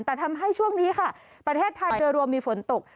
แต่ทำให้ช่วงนี้ค่ะประเทศไทยโดยรวมมีฝนตก